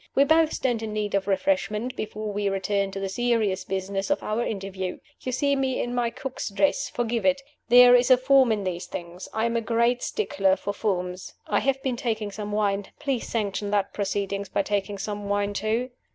"We both stand in need of refreshment before we return to the serious business of our interview. You see me in my cook's dress; forgive it. There is a form in these things. I am a great stickler for forms. I have been taking some wine. Please sanction that proceeding by taking some wine too."